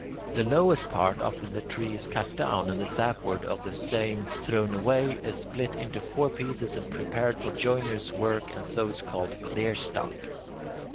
The lowest part, after the tree is cut down and the sapwood of the same thrown away, is split up into four pieces and prepared for joiner's work, and so is called "clearstock."